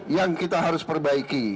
yang kita harus perbaiki